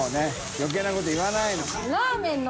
余計なこと言わないの。